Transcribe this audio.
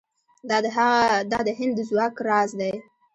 دا د هند د ځواک راز دی.